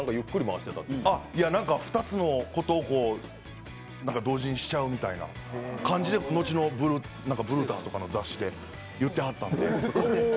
２つのことを同時にしちゃうみたいな感じで後の「ＢＲＵＴＵＳ」とかの雑誌で言ってらっしゃったんです。